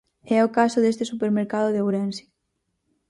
É o caso deste supermercado de Ourense.